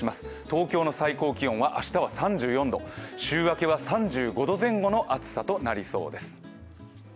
東京の最高気温は明日は３４度、週明けは３５度前後の暑さとなりそうです。